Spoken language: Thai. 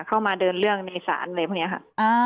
เข้ามาเดินเรื่องในศาลอะไรพวกนี้ค่ะ